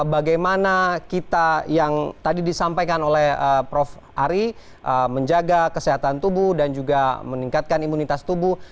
bagaimana kita yang tadi disampaikan oleh prof ari menjaga kesehatan tubuh dan juga meningkatkan imunitas tubuh